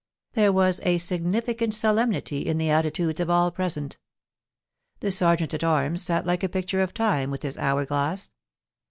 There was a significant solemnity in the attitudes of all present The Sei^eant at Arms sat like a picture of Time with his hour glass.